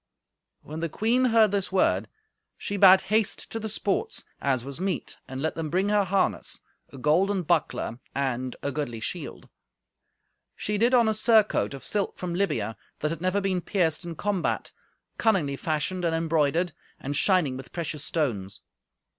When the queen heard this word, she bade haste to the sports, as was meet, and let them bring her harness, a golden buckler and a goodly shield. She did on a surcoat of silk from Libya, that had never been pierced in combat, cunningly fashioned and embroidered, and shining with precious stones.